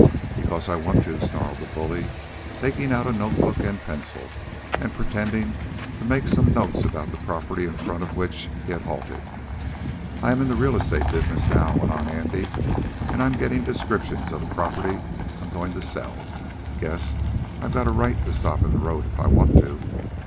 "Because I want to," snarled the bully, taking out a notebook and pencil, and pretending to make some notes about the property in front of which he had halted. "I'm in the real estate business now," went on Andy, "and I'm getting descriptions of the property I'm going to sell. Guess I've got a right to stop in the road if I want to!"